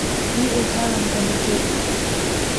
Уи уагьаламган, Аџыр.